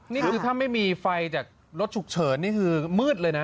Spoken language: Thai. นี่คือถ้าไม่มีไฟจากรถฉุกเฉินนี่คือมืดเลยนะ